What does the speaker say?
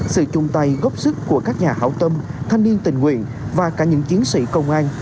sự chung tay góp sức của các nhà hảo tâm thanh niên tình nguyện và cả những chiến sĩ công an